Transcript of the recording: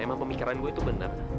memang pemikiran saya itu benar